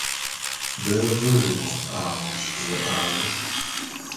Be nji wulu a môs ve alu.